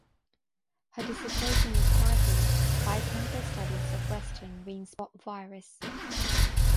Her dissertation was titled "Biochemical Studies of Western Ring Spot Virus".